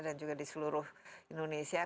dan juga di seluruh indonesia